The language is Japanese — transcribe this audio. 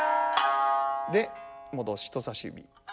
で戻して人さし指。